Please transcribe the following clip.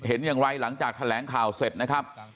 เห็นอย่างไรหลังจากแถลงข่าวเสร็จนะครับ